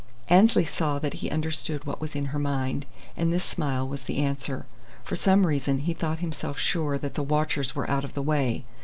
Annesley saw that he understood what was in her mind, and this smile was the answer. For some reason he thought himself sure that the watchers were out of the way.